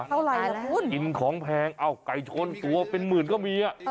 เท่าไรล่ะคุณอิ่มของแพงไก่ชนตัวเป็นหมื่นก็มี